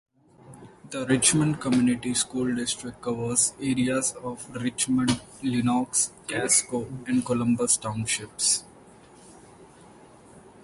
The Richmond Community School District covers areas of Richmond, Lenox, Casco, and Columbus townships.